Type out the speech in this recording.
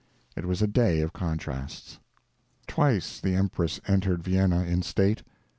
It was a day of contrasts. Twice the Empress entered Vienna in state.